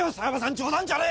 冗談じゃねえよ